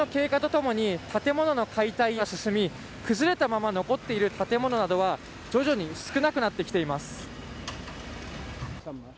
時間の経過とともに、建物の解体が進み、崩れたまま残っている建物などは徐々に少なくなってきています。